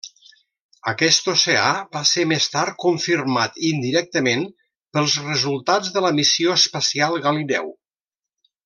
Aquest oceà va ser més tard confirmat indirectament pels resultats de la missió espacial Galileu.